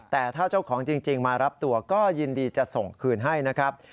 แต่ถ้าเจ้าของจริงมารับตัวก็ยินดีจะส่งคืนให้นะครับ